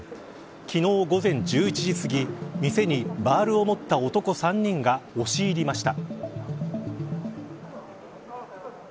昨日、午前１１時すぎ店にバールを持った男３人が押し入りました。